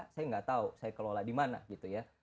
saya nggak tahu saya kelola di mana gitu ya